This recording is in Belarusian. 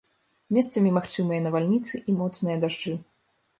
Месцамі магчымыя навальніцы і моцныя дажджы.